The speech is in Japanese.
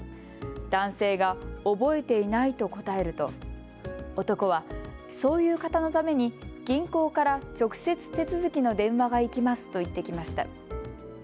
男性が覚えていないと答えると男は、そういう方のために銀行から直接、手続きの電話がいきますと言ってきました。